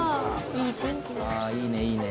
あぁいいねいいね。